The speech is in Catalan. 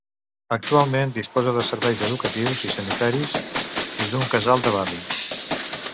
Actualment disposa de serveis educatius i sanitaris i d'un casal de barri.